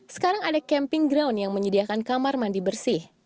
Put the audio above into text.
sekarang ada camping ground yang menyediakan kamar mandi bersih